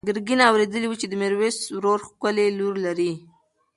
ګرګین اورېدلي وو چې د میرویس ورور ښکلې لور لري.